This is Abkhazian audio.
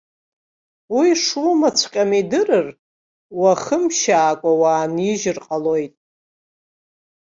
Уи ишумаҵәҟьам идырыр, уахымшьаакәа уаанижьыр ҟалоит.